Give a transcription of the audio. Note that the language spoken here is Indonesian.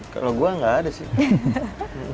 kalo gua gak ada sih